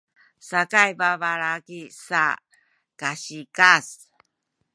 sakay babalaki sa kasikaz